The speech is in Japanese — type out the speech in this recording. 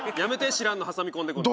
知らんの挟み込んでくるの。